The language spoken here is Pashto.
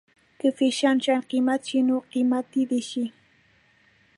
که فیشن شيان قیمته شي نو قیمته دې شي.